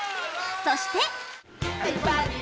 そして。